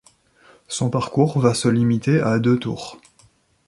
Son parcours va se limiter à deux tours.